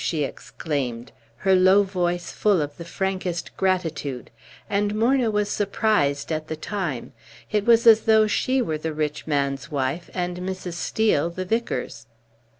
she exclaimed, her low voice full of the frankest gratitude; and Morna was surprised at the time; it was as though she were the rich man's wife, and Mrs. Steel the vicar's.